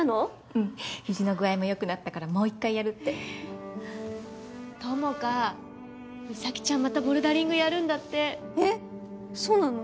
うん肘の具合もよくなったからもう一回やるって友果実咲ちゃんまたボルダリングやるんだってえっそうなの？